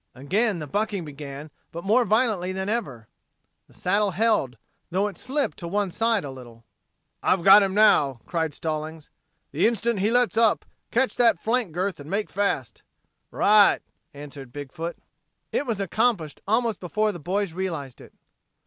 Again the bucking began, but more violently than before. The saddle held, though it slipped to one side a little. "I've got him now," cried Stallings. "The instant he lets up, catch that flank girth and make fast." "Right," answered Big foot. It was accomplished almost before the boys realized it.